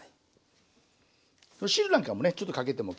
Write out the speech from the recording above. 汁なんかもねちょっとかけても結構だと思います。